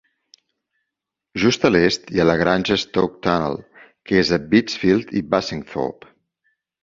Just a l'est hi ha la granja Stoke Tunnel, que és a Bitchfield i Bassingthorpe.